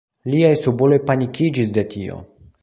Liaj subuloj panikiĝis de tio.